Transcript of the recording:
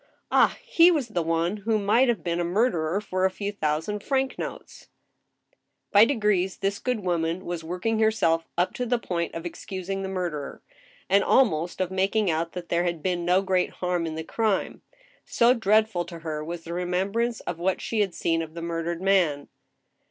Ah ! he was the one who might have been a murderer for a few thousand franc notes !" By degrees this good woman was working herself up to the point of excusing the murderer, and almost of making out that there had been no great harm in the crime — so dreadful to her was the re membrance of what she had seen of the murdered man.